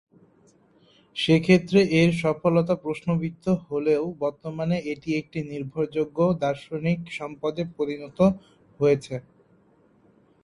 সেক্ষেত্রে এর সফলতা প্রশ্নবিদ্ধ হলেও বর্তমানে এটি একটি নির্ভরযোগ্য দার্শনিক সম্পদে পরিণত হয়েছে।